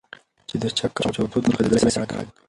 چې د چك او جغتو ترمنځ غځېدلى سړك